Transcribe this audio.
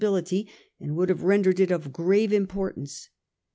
XL bility, and would have rendered it of grave import ance.